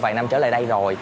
vài năm trở lại đây rồi